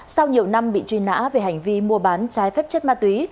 sau nhiều năm bị truy nã về hành vi mua bán trái phép chất ma túy